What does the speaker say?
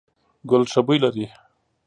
ګل ښه بوی لري ….